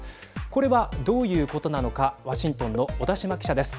これはどういうことなのかワシントンの小田島記者です。